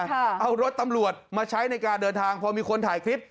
เอารถตำรวจมาใช้ในการเดินทางพอมีคนถ่ายคลิป